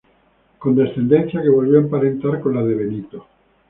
Con descendencia que volvió a emparentar con la de Benito.